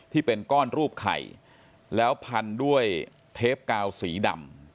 ที่เป็นก้อนรูปไข่แล้วพันด้วยเทปกาวสีดำ